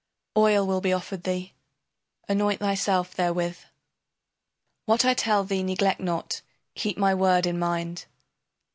Oil will be offered thee, anoint thyself therewith. What I tell thee neglect not, keep my word in mind.